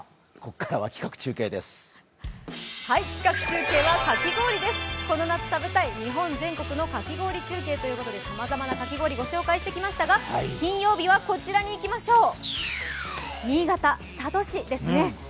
この夏食べたい日本全国のかき氷中継ということでさまざまなかき氷、ご紹介してきましたが金曜日はこちらに行きましょう、新潟・佐渡市ですね。